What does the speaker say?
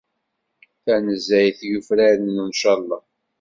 Tanezzayt yufraren Ncallah.